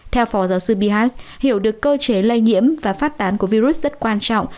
theo phó giáo sư bihars hiểu được cơ chế lây nhiễm và phát tán của virus rất quan trọng